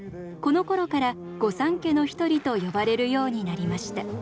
このころから御三家の一人と呼ばれるようになりました。